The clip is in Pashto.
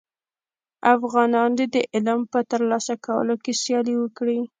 افغانان دي د علم په تر لاسه کولو کي سیالي وکړي.